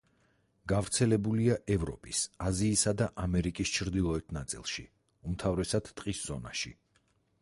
გავრცელებულია ევროპის, აზიისა და ამერიკის ჩრდილოეთ ნაწილში, უმთავრესად ტყის ზონაში.